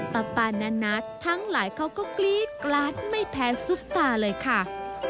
ปานานัททั้งหลายเขาก็กรี๊ดกราดไม่แพ้ซุปตาเลยค่ะ